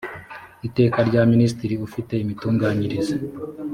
iteka rya minisitiri ufite imitunganyirize